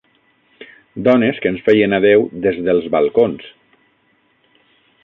Dones que ens feien adéu des dels balcons.